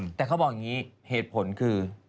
แต่เขาบอกอย่างนี้เหตุผลคือ